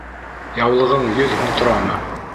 Яулығың йөҙ һум торамы?